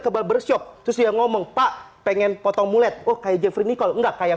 kebal bersyok terus yang ngomong pak pengen potong mulet oke jefri nicole enggak kayak